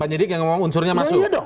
penyidik yang ngomong unsurnya masuk